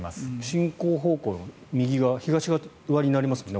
進行方向、右側東側になりますもんね。